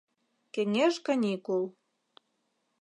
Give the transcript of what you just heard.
Кеҥеж каникул.